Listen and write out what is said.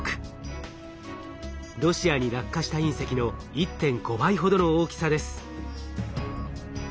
ロシアに落下した隕石の１．５倍ほどの大きさです。